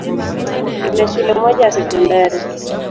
Ina shule moja ya sekondari.